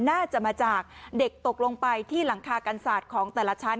น่าจะมาจากเด็กตกลงไปที่หลังคากันศาสตร์ของแต่ละชั้น